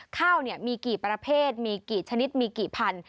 ข้าวมีกี่ประเภทมีกี่ชนิดมีกี่พัน